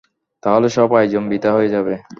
তাহলে সব আয়োজন বৃথা হয়ে যাবে।